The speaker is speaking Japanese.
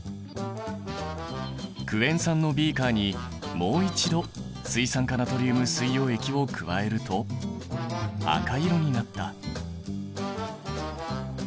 クエン酸のビーカーにもう一度水酸化ナトリウム水溶液を加えると赤色になった。